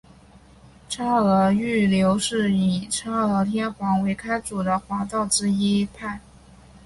嵯峨御流是以嵯峨天皇为开祖的华道之一派。